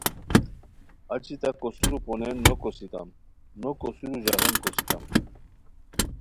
اچی تہ کوسیرو پونین نو کوسیتام، نو کوسیرو ژاغین کوسیتام،